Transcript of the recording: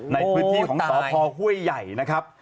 ในพื้นที่ของสพห้วยใหญ่นะครับ